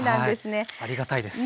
はいありがたいです。